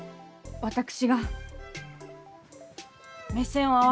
私が目線を合わせます。